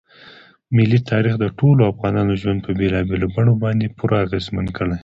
ملي تاریخ د ټولو افغانانو ژوند په بېلابېلو بڼو باندې پوره اغېزمن کړی دی.